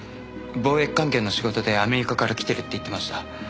貿易関係の仕事でアメリカから来てるって言ってました。